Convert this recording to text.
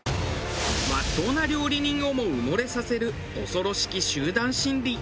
真っ当な料理人をも埋もれさせる恐ろしき集団心理。